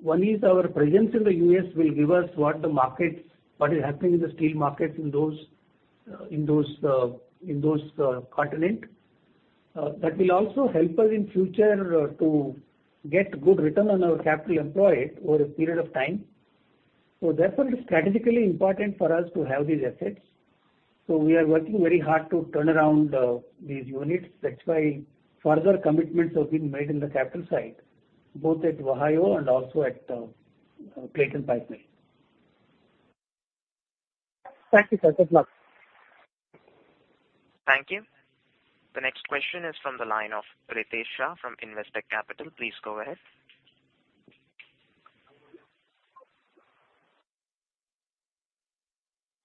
One is our presence in the US will give us what the markets—what is happening in the steel markets in those continent. That will also help us in the future to get good return on our capital employed over a period of time. Therefore, it is strategically important for us to have these assets. We are working very hard to turn around these units. That's why further commitments have been made in the capital side, both at Ohio and also at plate and pipe mill. Thank you. That's a lot. Thank you. The next question is from the line of Ritesh Shah from Investec Capital. Please go ahead.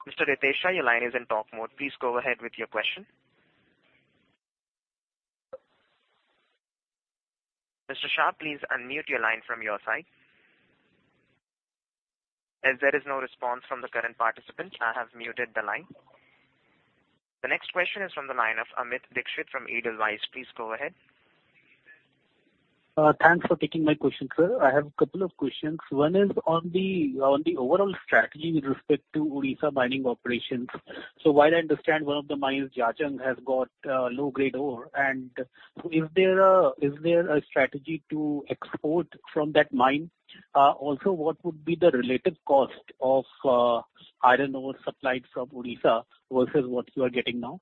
Mr. Ritesh Shah, your line is in talk mode. Please go ahead with your question. Mr. Shah, please unmute your line from your side. As there is no response from the current participant, I have muted the line. The next question is from the line of Amit Dixit from Edelweiss. Please go ahead. Thanks for taking my question, sir. I have a couple of questions. One is on the overall strategy with respect to Odisha mining operations. While I understand one of the mines, Jajang, has got low-grade ore, is there a strategy to export from that mine? Also, what would be the relative cost of iron ore supplied from Odisha versus what you are getting now?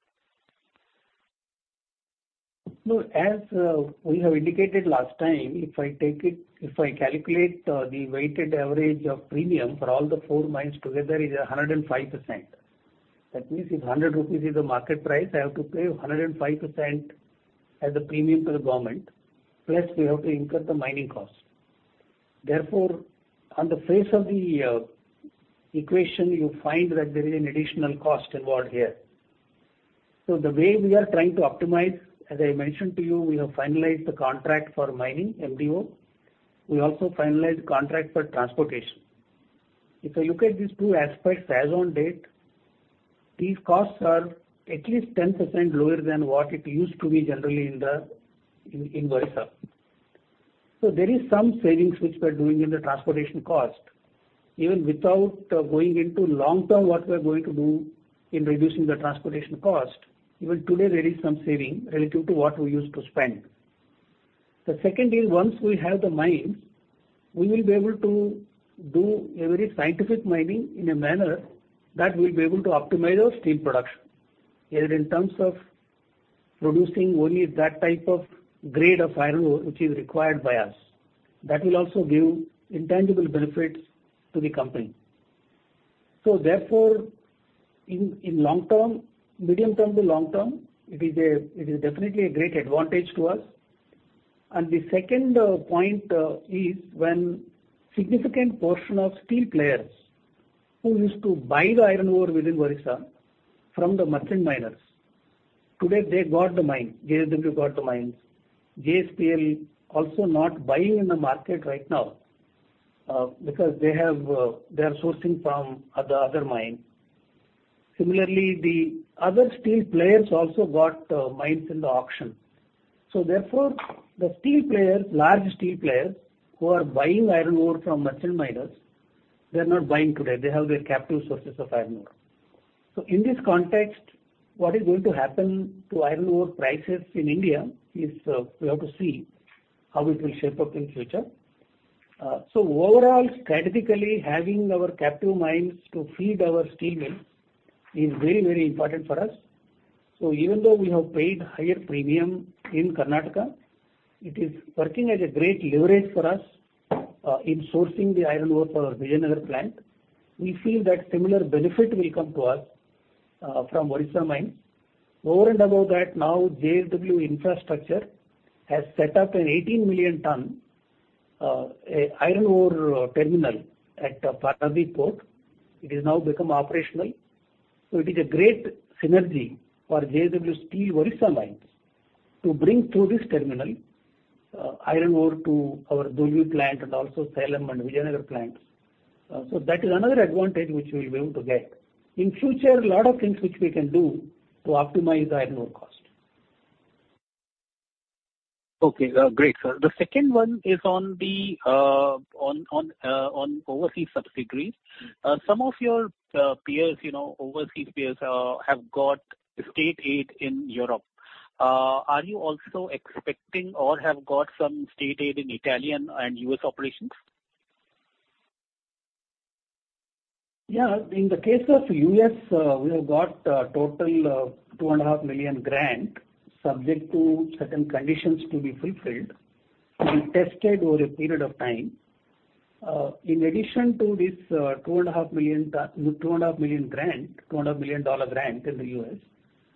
As we have indicated last time, if I take it, if I calculate the weighted average of premium for all the four mines together, it is 105%. That means if 100 rupees is the market price, I have to pay 105% as a premium to the government. Plus, we have to incur the mining cost. Therefore, on the face of the equation, you find that there is an additional cost involved here. The way we are trying to optimize, as I mentioned to you, we have finalized the contract for mining, MDO. We also finalized the contract for transportation. If I look at these two aspects as on date, these costs are at least 10% lower than what it used to be generally in Odisha. There is some savings which we are doing in the transportation cost. Even without going into long-term what we are going to do in reducing the transportation cost, even today, there is some saving relative to what we used to spend. The second is once we have the mines, we will be able to do a very scientific mining in a manner that we will be able to optimize our steel production, either in terms of producing only that type of grade of iron ore which is required by us. That will also give intangible benefits to the company. Therefore, in medium-term and long-term, it is definitely a great advantage to us. The second point is when a significant portion of steel players who used to buy the iron ore within Odisha from the merchant miners, today, they got the mine. JSW got the mines. Jindal Steel & Power Ltd also not buying in the market right now because they are sourcing from the other mine. Similarly, the other steel players also got mines in the auction. Therefore, the large steel players who are buying iron ore from merchant miners, they're not buying today. They have their captive sources of iron ore. In this context, what is going to happen to iron ore prices in India is we have to see how it will shape up in the future. Overall, strategically, having our captive mines to feed our steel mill is very, very important for us. Even though we have paid higher premium in Karnataka, it is working as a great leverage for us in sourcing the iron ore for our Vijayanagar plant. We feel that similar benefit will come to us from Odisha mines. Over and above that, now JSW Infrastructure has set up an 18 million ton iron ore terminal at Paradip Port. It has now become operational. It is a great synergy for JSW Steel Odisha mines to bring through this terminal iron ore to our Dolvi plant and also Salem and Vijayanagar plants. That is another advantage which we'll be able to get. In the future, a lot of things which we can do to optimize iron ore cost. Okay. Great. The second one is on overseas subsidiaries. Some of your peers, overseas peers, have got state aid in Europe. Are you also expecting or have got some state aid in Italian and US operations? Yeah. In the case of the US, we have got a total of $2.5 million grant subject to certain conditions to be fulfilled and tested over a period of time. In addition to this $2.5 million grant in the US,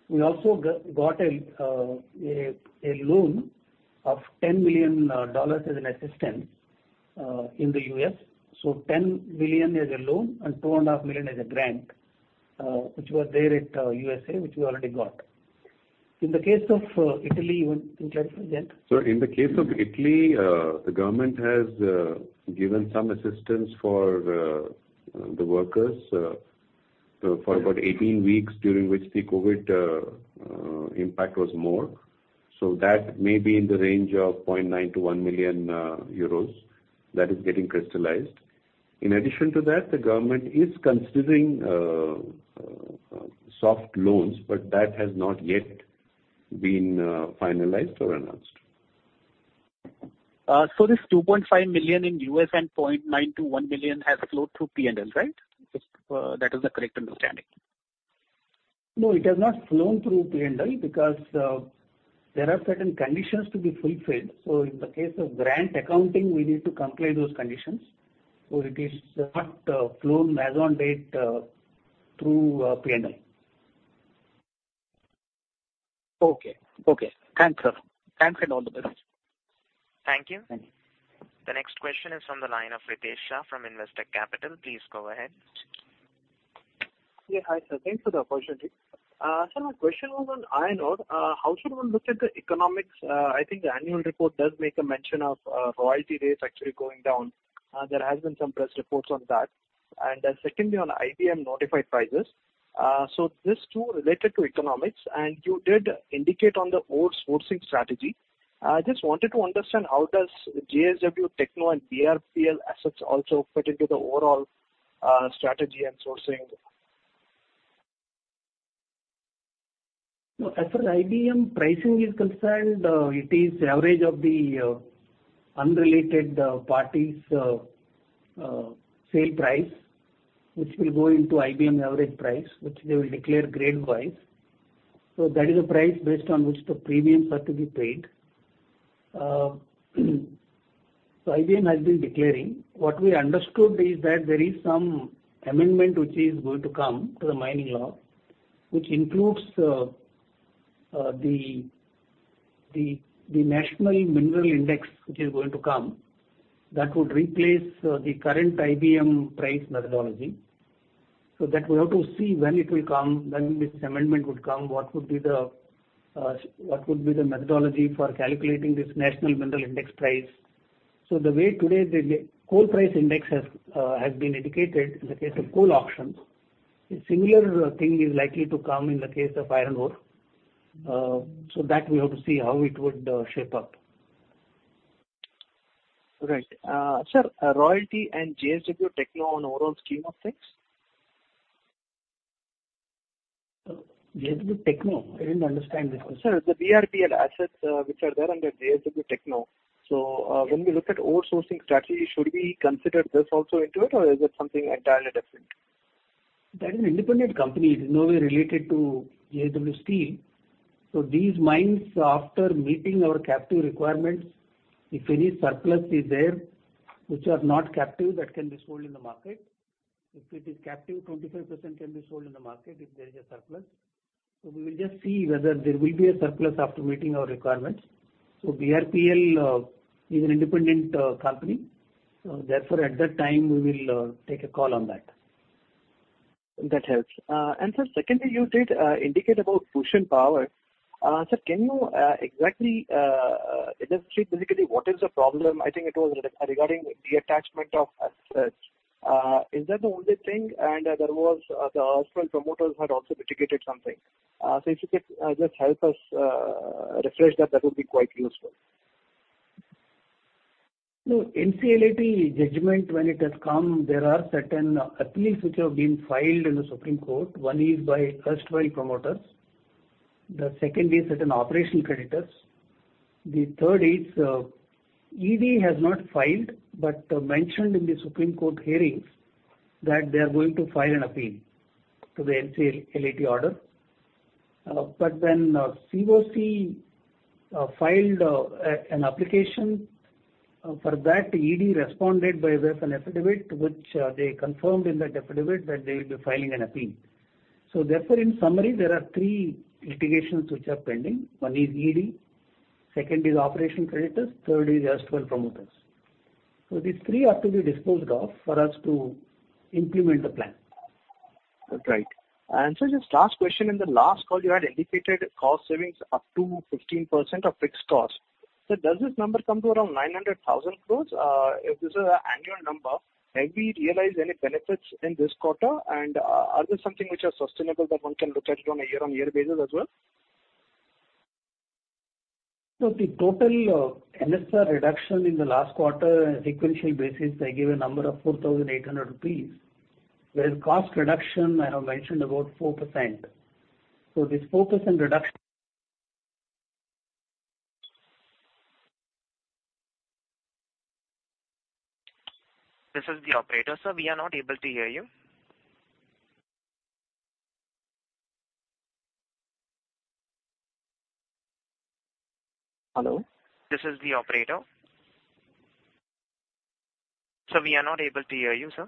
we also got a loan of $10 million as an assistance in the US. Ten million as a loan and 2.5 million as a grant, which were there at US, which we already got. In the case of Italy, you want to clarify that? In the case of Italy, the government has given some assistance for the workers for about 18 weeks, during which the COVID impact was more. That may be in the range of 0.9 to 1 million that is getting crystallized. In addition to that, the government is considering soft loans, but that has not yet been finalized or announced. This 2.5 million in US and 0.9 to 1 million has flowed through P&L, right? That is the correct understanding. No, it has not flown through P&L because there are certain conditions to be fulfilled. In the case of grant accounting, we need to comply with those conditions. It is not flown as on date through P&L. Okay. Okay. Thanks, sir. Thanks and all the best. Thank you. The next question is from the line of Ritesh Shah from Investech Capital. Please go ahead. Yeah. Hi, sir. Thanks for the opportunity. Sir, my question was on iron ore. How should one look at the economics? I think the annual report does make a mention of royalty rates actually going down. There have been some press reports on that. Secondly, on IBM notified prices. These two are related to economics. You did indicate on the ore sourcing strategy. I just wanted to understand how does JSW Techno and BRPL assets also fit into the overall strategy and sourcing? As far as IBM pricing is concerned, it is the average of the unrelated parties' sale price, which will go into IBM's average price, which they will declare grade-wise. That is a price based on which the premiums are to be paid. IBM has been declaring. What we understood is that there is some amendment which is going to come to the mining law, which includes the National Mineral Index, which is going to come, that would replace the current IBM price methodology. We have to see when it will come, when this amendment would come, what would be the methodology for calculating this National Mineral Index price. The way today the coal price index has been indicated in the case of coal auctions, a similar thing is likely to come in the case of iron ore. We have to see how it would shape up. Right. Sir, royalty and JSW Techno on the overall scheme of things? JSW Techno? I did not understand this one. Sir, the BRPL assets which are there under JSW Techno. When we look at ore sourcing strategy, should we consider this also into it, or is it something entirely different? That is an independent company. It is no way related to JSW Steel. These mines, after meeting our captive requirements, if any surplus is there, which are not captive, that can be sold in the market. If it is captive, 25% can be sold in the market if there is a surplus. We will just see whether there will be a surplus after meeting our requirements. BRPL is an independent company. At that time, we will take a call on that. That helps. Sir, secondly, you did indicate about Bhushan Power. Sir, can you exactly illustrate basically what is the problem? I think it was regarding the attachment of assets. Is that the only thing? The erstwhile promoters had also mitigated something. If you could just help us refresh that, that would be quite useful. No, NCLAT judgment, when it has come, there are certain appeals which have been filed in the Supreme Court. One is by erstwhile promoters. The second is certain operational creditors. The third is ED has not filed, but mentioned in the Supreme Court hearings that they are going to file an appeal to the NCLAT order. COC filed an application for that. ED responded by way of an affidavit, which they confirmed in that affidavit that they will be filing an appeal. Therefore, in summary, there are three litigations which are pending. One is ED. Second is operational creditors. Third is erstwhile promoters. These three have to be disposed of for us to implement the plan. That's right. Sir, just last question. In the last call, you had indicated cost savings up to 15% of fixed cost. Does this number come to around 900,000 crore? If this is an annual number, have we realized any benefits in this quarter? Are there something which are sustainable that one can look at on a year-on-year basis as well? The total NSR reduction in the last quarter, on a sequential basis, I gave a number of 4,800 rupees, where cost reduction, I have mentioned about 4%. This 4% reduction— This is the operator, sir. We are not able to hear you. Hello? This is the operator. We are not able to hear you, sir.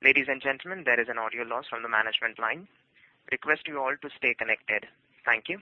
Ladies and gentlemen, there is an audio loss from the management line. Request you all to stay connected. Thank you.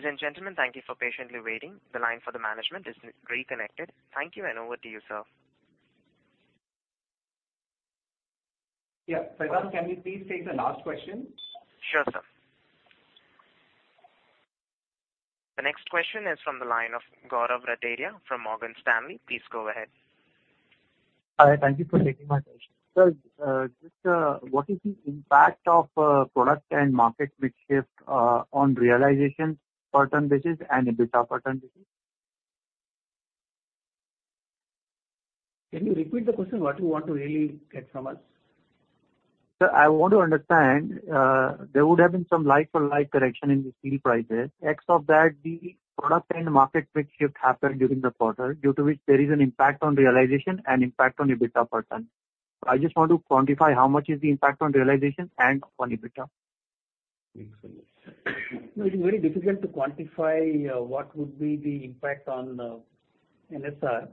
Ladies and gentlemen, thank you for patiently waiting. The line for the management is reconnected. Thank you, and over to you, sir. Yeah. Saidan, can you please take the last question? Sure, sir. The next question is from the line of Gaurav Rateria from Morgan Stanley. Please go ahead. Hi. Thank you for taking my question. Sir, just what is the impact of product and market mix shift on realization per ton basis and EBITDA per ton basis? Can you repeat the question? What do you want to really get from us? Sir, I want to understand there would have been some like-for-like correction in the steel prices. Of that, the product and market mix shift happened during the quarter, due to which there is an impact on realization and impact on EBITDA per ton. I just want to quantify how much is the impact on realization and on EBITDA. It is very difficult to quantify what would be the impact on NSR.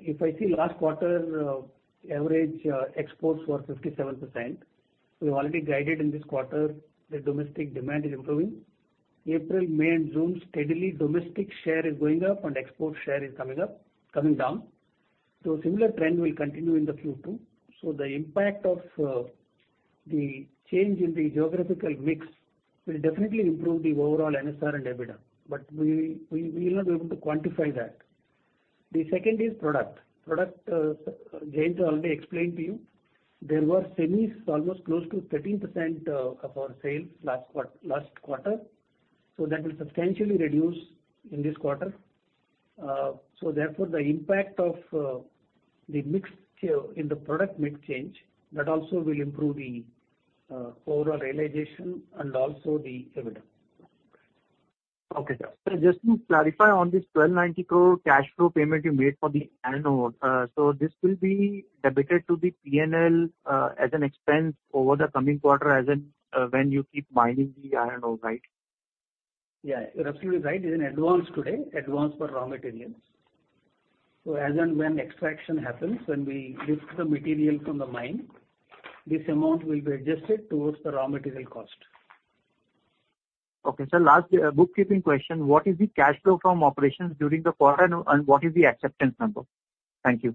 If I see last quarter average exports were 57%, we've already guided in this quarter that domestic demand is improving. April, May, and June steadily domestic share is going up and export share is coming down. Similar trend will continue in Q2. The impact of the change in the geographical mix will definitely improve the overall NSR and EBITDA. We will not be able to quantify that. The second is product. Product, Jayant already explained to you. There were semis almost close to 13% of our sales last quarter. That will substantially reduce in this quarter. Therefore, the impact of the mix in the product mix change, that also will improve the overall realization and also the EBITDA. Okay. Sir, just to clarify on this 1,290 crore cash flow payment you made for the iron ore, this will be debited to the P&L as an expense over the coming quarter when you keep mining the iron ore, right? Yeah. You're absolutely right. It's an advance today, advance for raw materials. As and when extraction happens, when we lift the material from the mine, this amount will be adjusted towards the raw material cost. Okay. Sir, last bookkeeping question. What is the cash flow from operations during the quarter and what is the acceptance number? Thank you.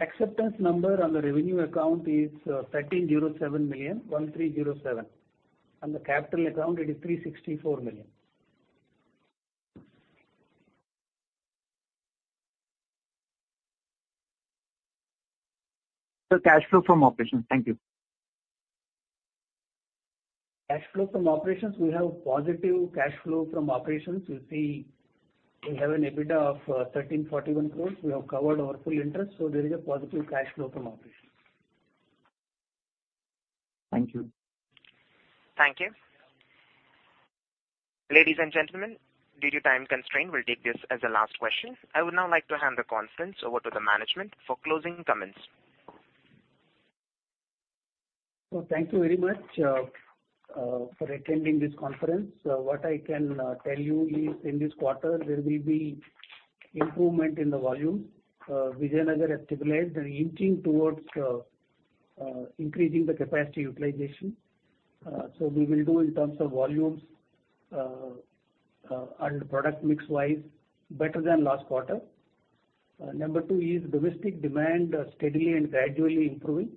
Acceptance number on the revenue account is 1,307 million, 1,307. On the capital account, it is 364 million. Sir, cash flow from operations. Thank you. Cash flow from operations, we have positive cash flow from operations. You see, we have an EBITDA of 1,341 crore. We have covered our full interest. There is a positive cash flow from operations. Thank you. Thank you. Ladies and gentlemen, due to time constraint, we'll take this as a last question. I would now like to hand the conference over to the management for closing comments. Thank you very much for attending this conference. What I can tell you is in this quarter, there will be improvement in the volumes. Vijayanagar has stabilized and inching towards increasing the capacity utilization. We will do in terms of volumes and product mix-wise better than last quarter. Number two is domestic demand steadily and gradually improving.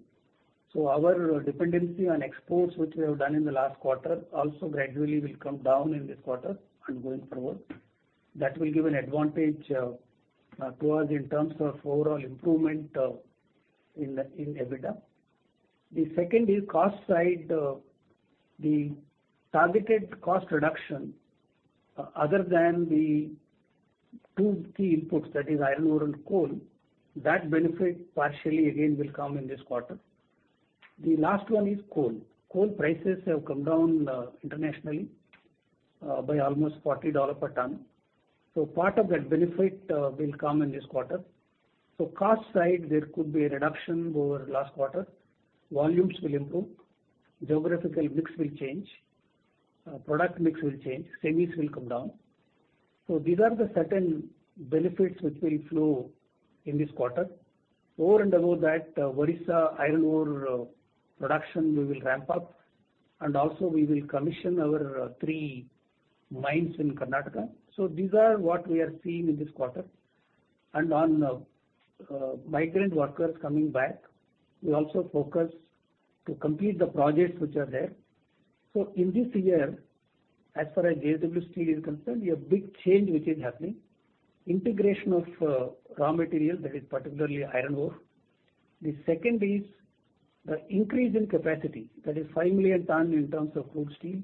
Our dependency on exports, which we have done in the last quarter, also gradually will come down in this quarter and going forward. That will give an advantage to us in terms of overall improvement in EBITDA. The second is cost side. The targeted cost reduction other than the two key inputs, that is iron ore and coal, that benefit partially again will come in this quarter. The last one is coal. Coal prices have come down internationally by almost $40 per ton. Part of that benefit will come in this quarter. Cost side, there could be a reduction over last quarter. Volumes will improve. Geographical mix will change. Product mix will change. Semis will come down. These are the certain benefits which will flow in this quarter. Over and above that, Odisha iron ore production will ramp up. We will commission our three mines in Karnataka. These are what we are seeing in this quarter. On migrant workers coming back, we also focus to complete the projects which are there. In this year, as far as JSW Steel is concerned, we have a big change which is happening. Integration of raw material, that is particularly iron ore. The second is the increase in capacity. That is 5 million ton in terms of crude steel,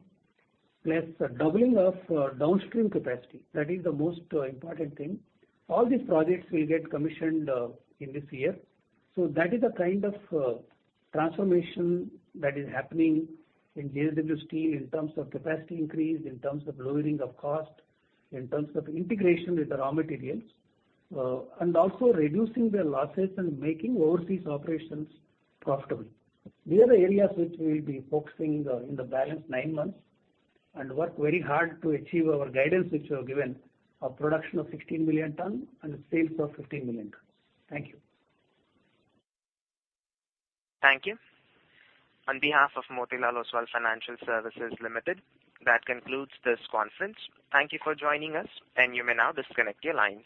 plus doubling of downstream capacity. That is the most important thing. All these projects will get commissioned in this year. That is the kind of transformation that is happening in JSW Steel in terms of capacity increase, in terms of lowering of cost, in terms of integration with the raw materials, and also reducing the losses and making overseas operations profitable. These are the areas which we will be focusing in the balanced nine months and work very hard to achieve our guidance which we have given of production of 16 million ton and sales of 15 million ton. Thank you. Thank you. On behalf of Motilal Oswal Financial Services Ltd, that concludes this conference. Thank you for joining us, and you may now disconnect your lines.